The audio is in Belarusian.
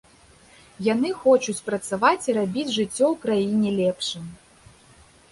Яны хочуць працаваць і рабіць жыццё ў краіне лепшым.